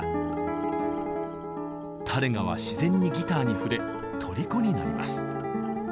タレガは自然にギターに触れとりこになります。